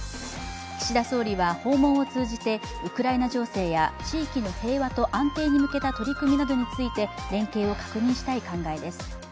岸田総理は訪問を通じて、ウクライナ情勢や地域の平和と安定に向けた取り組みなどについて連携を確認したい考えです。